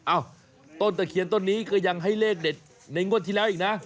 ต้นตะเคียนต้นนี้ก็ยังให้เลขเด็ดในงวดที่แล้วอีกนะ